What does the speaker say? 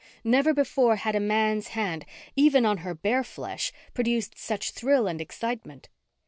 Never before had a man's hand, even on her bare flesh, produced such thrill and excitement.